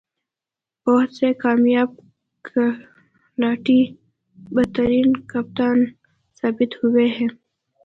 بہت سے کامیاب کھلاڑی بدترین کپتان ثابت ہوئے ہیں۔